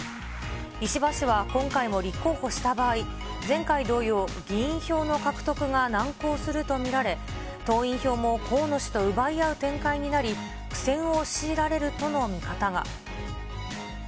石破氏は今回も立候補した場合、前回同様、議員票の獲得が難航すると見られ、党員票も河野氏と奪い合う展開になり、苦戦を強いられるとの見方が。